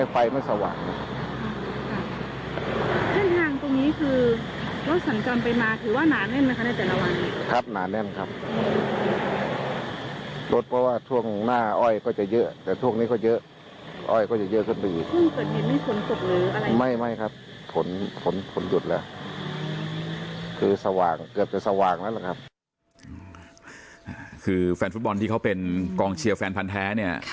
คือแฟนฟุตบอลที่เขาเป็นกองเชียร์แฟนพันธ์แท้เนี่ย